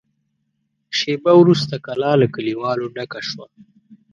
شېبه وروسته کلا له کليوالو ډکه شوه.